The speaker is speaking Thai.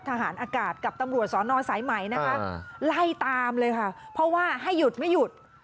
ทหารอากาศกับตำรวจสอนอสายไหมนะคะไล่ตามเลยค่ะเพราะว่าให้หยุดไม่หยุด